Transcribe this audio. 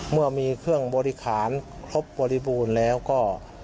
เมื่อมีเครื่องบริหารครบบริบูรณ์แล้วก็